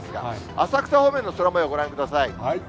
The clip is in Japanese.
浅草方面の空もよう、ご覧ください。